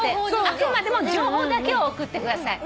あくまでも情報だけを送ってください。